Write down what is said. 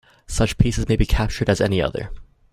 Such pieces may be captured as any other.